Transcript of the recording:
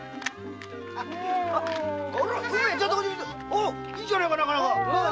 おういいじゃねえかなかなか。